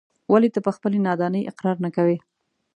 ولې ته په خپلې نادانۍ اقرار نه کوې.